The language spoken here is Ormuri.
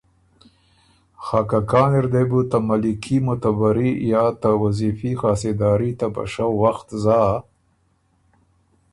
خه که کان اِر دې بُو ته ملیکي معتبري یا ته وظیفي خاسېداري ته بشؤ وخت زا